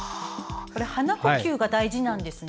鼻呼吸が大事なんですね。